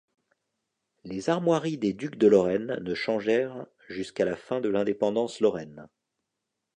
Les armoiries des ducs de Lorraine ne changèrent jusqu'à la fin de l'indépendance lorraine.